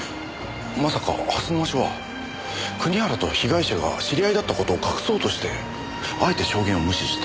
まさか蓮沼署は国原と被害者が知り合いだった事を隠そうとしてあえて証言を無視した。